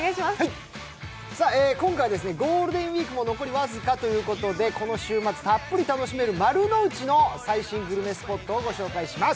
今回はゴールデンウイーク残り僅かということでこの週末たっぷり楽しめる丸の内の最新グルメスポットをご紹介します。